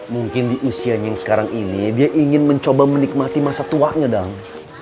mungkin di usianya yang sekarang ini dia ingin mencoba menikmati masa tuanya dong